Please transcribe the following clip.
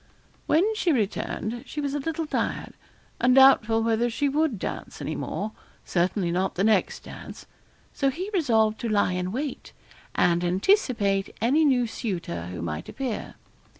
When she returned, she was a little tired, and doubtful whether she would dance any more certainly not the next dance. So he resolved to lie in wait, and anticipate any new suitor who might appear.